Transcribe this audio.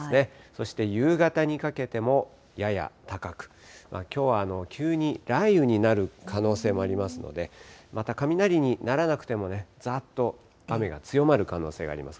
そして、夕方にかけてもやや高く、きょうは急に雷雨になる可能性もありますので、また雷にならなくても、ざーっと雨が強まる可能性があります。